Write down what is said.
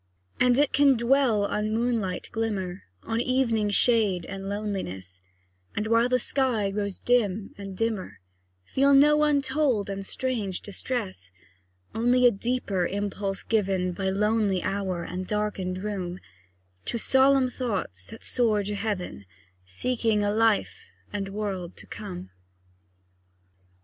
And it can dwell on moonlight glimmer, On evening shade and loneliness; And, while the sky grows dim and dimmer, Feel no untold and strange distress Only a deeper impulse given By lonely hour and darkened room, To solemn thoughts that soar to heaven Seeking a life and world to come.